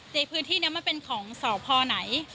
ในพื้นที่นี้มันเป็นของสพไหน